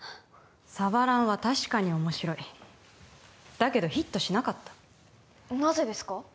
サバランは確かに面白いだけどヒットしなかったなぜですか？